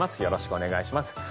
よろしくお願いします。